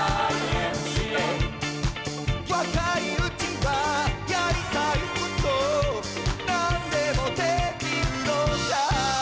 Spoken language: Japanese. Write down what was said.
「若いうちはやりたいこと何でもできるのさ」